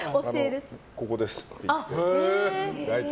ここですって言って。